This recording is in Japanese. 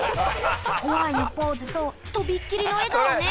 「Ｗｈｙ？」のポーズととびっきりの笑顔ね。